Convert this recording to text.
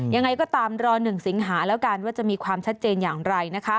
ยังไงก็ตามรอ๑สิงหาแล้วกันว่าจะมีความชัดเจนอย่างไร